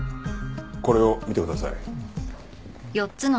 これを見てください。